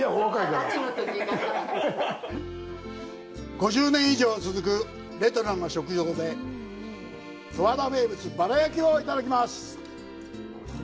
５０年以上続くレトロな食堂で、十和田名物、バラ焼きをいただきます。